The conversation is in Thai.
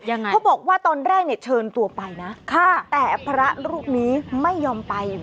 ยังไงเพราะบอกว่าตอนแรกเชิญตัวไปนะแต่พระรูปนี้ไม่ยอมไป